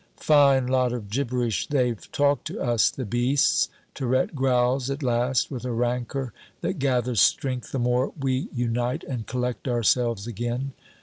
"Fine lot of gibberish they've talked to us, the beasts!" Tirette growls at last with a rancor that gathers strength the more we unite and collect ourselves again.